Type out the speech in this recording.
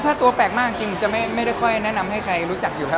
ถ้าตัวแปลกมากจริงจะไม่ได้ค่อยแนะนำให้ใครรู้จักอยู่ครับ